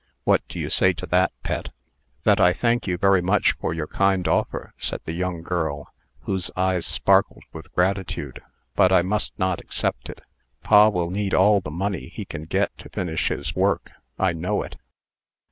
What do you say to that, Pet?" "That I thank you very much for your kind offer," said the young girl, whose eyes sparkled with gratitude; "but I must not accept it. Pa will need all the money he can get to finish his work. I know it."